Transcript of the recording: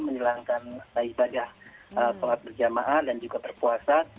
menjalankan ibadah sholat berjamaah dan juga berpuasa